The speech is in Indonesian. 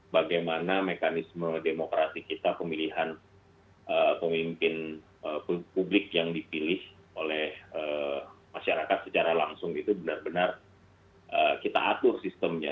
bagaimana mekanisme demokrasi kita pemilihan pemimpin publik yang dipilih oleh masyarakat secara langsung itu benar benar kita atur sistemnya